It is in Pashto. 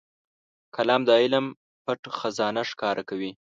قلم د علم پټ خزانه ښکاره کوي